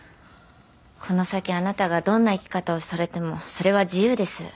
この先あなたがどんな生き方をされてもそれは自由です。